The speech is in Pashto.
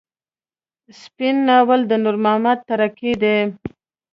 سپين ناول د نور محمد تره کي دی.